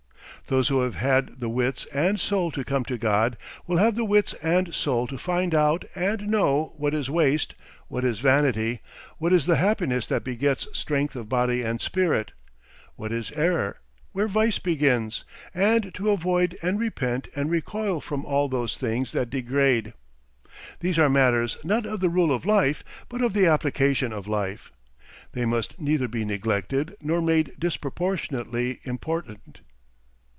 Those who have had the wits and soul to come to God, will have the wits and soul to find out and know what is waste, what is vanity, what is the happiness that begets strength of body and spirit, what is error, where vice begins, and to avoid and repent and recoil from all those things that degrade. These are matters not of the rule of life but of the application of life. They must neither be neglected nor made disproportionally important.